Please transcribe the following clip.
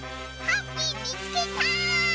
ハッピーみつけた！